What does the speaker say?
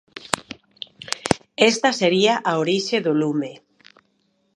Esta sería a orixe do lume.